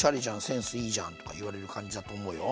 「センスいいじゃん」とか言われる感じだと思うよ。